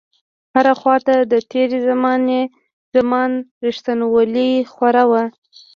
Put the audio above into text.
هره خواته د تېر زمان رښتينولۍ خوره وه.